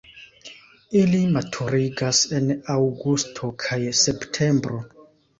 Ili maturiĝas en aŭgusto kaj septembro.